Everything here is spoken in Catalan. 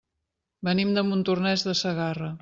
Venim de Montornès de Segarra.